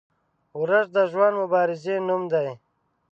• ورځ د ژوند د مبارزې نوم دی.